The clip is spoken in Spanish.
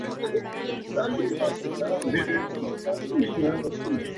Creó junto con Django Reinhardt el "Quinteto del Hot Club de Francia".